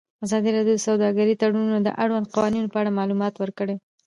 ازادي راډیو د سوداګریز تړونونه د اړونده قوانینو په اړه معلومات ورکړي.